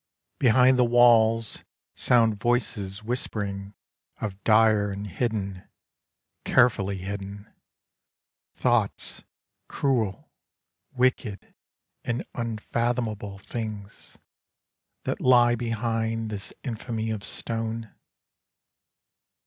Behind the walls sound voices whispering Of dire and hidden, carefully hidden, thoughts Cruel, wicked and unfathomable things That lie behind this infamy of stone.